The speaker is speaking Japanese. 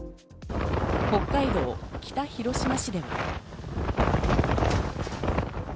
北海道北広島市では。